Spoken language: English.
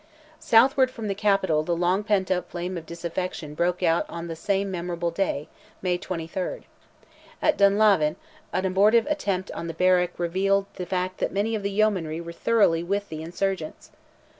Southward from the Capital the long pent up flame of disaffection broke out on the same memorable day, May 23rd. At Dunlavin, an abortive attempt on the barrack revealed the fact that many of the Yeomanry were thoroughly with the insurgents.